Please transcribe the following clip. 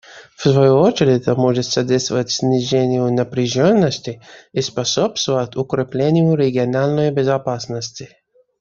В свою очередь, это может содействовать снижению напряженности и способствовать укреплению региональной безопасности.